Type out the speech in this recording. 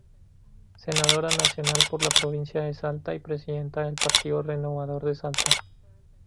Senadora Nacional por la provincia de Salta y presidenta del Partido Renovador de Salta.